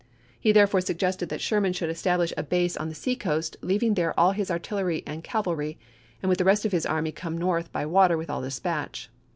He therefore suggested that Sherman should estab lish a base on the seacoast, leaving there all his artillery and cavalry, and with the rest of his army come north, by water, with all dispatch.